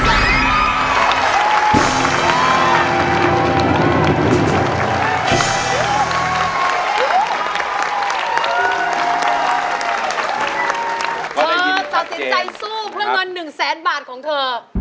เธอตัดสินใจสู้เพื่อเงิน๑แสนบาทของเธอ